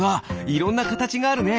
いろんなかたちがあるね。